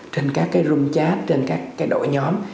trên các room chat trên các đội nhóm